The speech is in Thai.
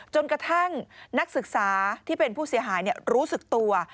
จนกระทั่งนักศึกษาที่เป็นผู้เสียหายรู้สึกตัว